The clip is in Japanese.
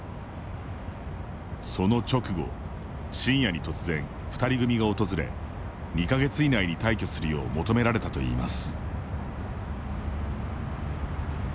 その直後、深夜に突然２人組が訪れ２か月以内に退去するよう求められたといいます。